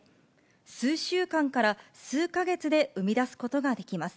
数週間から数か月で生み出すことができます。